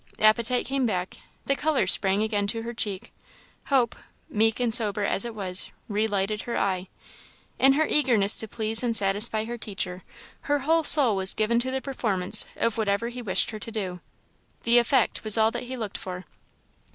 Appetite came back; the colour sprang again to her cheek; hope meek and sober as it was re lighted her eye. In her eagerness to please and satisfy her teacher, her whole soul was given to the performance of whatever he wished her to do. The effect was all that he looked for.